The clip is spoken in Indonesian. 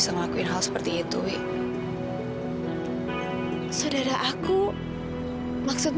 kamu tuh sekarang tinggal di rumah kita